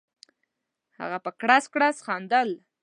هغه په کړس کړس خندل.